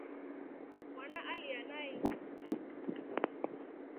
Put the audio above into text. Mwana alya nai.